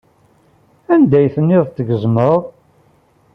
Anda ay tent-id-tgezmeḍ?